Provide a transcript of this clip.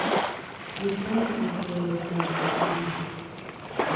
Dichuo ni ohero thago chiege